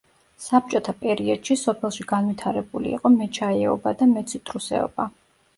საბჭოთა პერიოდში სოფელში განვითარებული იყო მეჩაიეობა და მეციტრუსეობა.